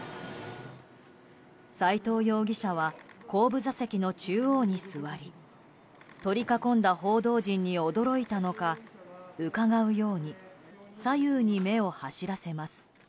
斎藤容疑者は後部座席の中央に座り取り囲んだ報道陣に驚いたのかうかがうように左右に目を走らせます。